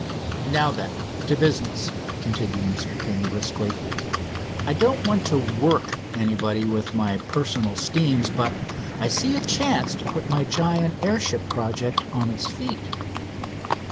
"Now then, to business," continued Mr. King briskly. "I don't want to 'work' anybody with my personal schemes, but I see a chance to put my giant airship project on its feet."